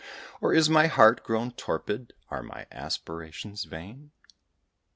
Or is my heart grown torpid? are my aspirations vain?